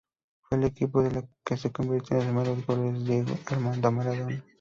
Fue el equipo al que le convirtió los primeros goles Diego Armando Maradona.